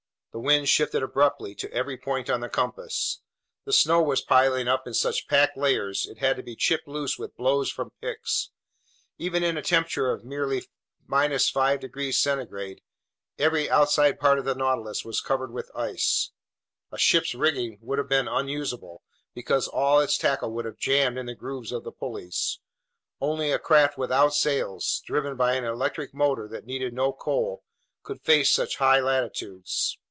The wind shifted abruptly to every point on the compass. The snow was piling up in such packed layers, it had to be chipped loose with blows from picks. Even in a temperature of merely 5 degrees centigrade, every outside part of the Nautilus was covered with ice. A ship's rigging would have been unusable, because all its tackle would have jammed in the grooves of the pulleys. Only a craft without sails, driven by an electric motor that needed no coal, could face such high latitudes.